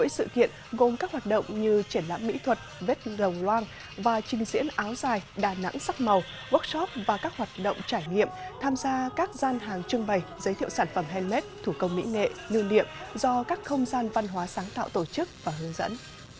sự kiện gồm các hoạt động như triển lãm mỹ thuật vết rồng loang và trình diễn áo dài đà nẵng sắc màu workshop và các hoạt động trải nghiệm tham gia các gian hàng trưng bày giới thiệu sản phẩm handlet thủ công mỹ nghệ lưu niệm do các không gian văn hóa sáng tạo tổ chức và hướng dẫn